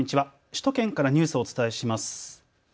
首都圏からニュースをお伝えします。